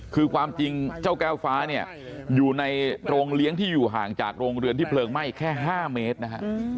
คือความจริงเจ้าแก้วฟ้าเนี่ยอยู่ในโรงเลี้ยงที่อยู่ห่างจากโรงเรือนที่เพลิงไหม้แค่๕เมตรนะฮะ